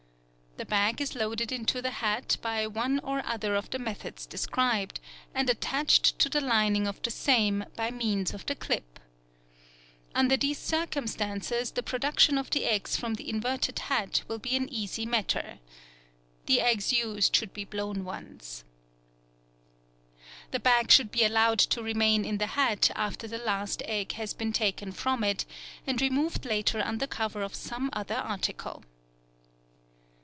The bag is loaded into the hat by one or other of the methods described, and attached to the lining of the same by means of the clip. Under these circumstances the production of the eggs from the inverted hat will be an easy matter. The eggs used should be blown ones. The bag should be allowed to remain in the hat after the last egg has been taken from it, and removed later under cover of some other article.